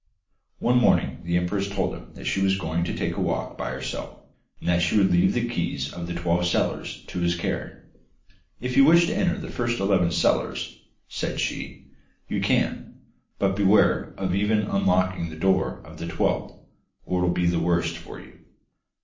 One morning the empress told him that she was going to take a walk by herself, and that she would leave the keys of twelve cellars to his care. 'If you wish to enter the first eleven cellars,' said she, 'you can; but beware of even unlocking the door of the twelfth, or it will be the worse for you.